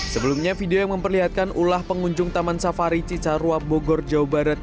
sebelumnya video yang memperlihatkan ulah pengunjung taman safari cicarua bogor jawa barat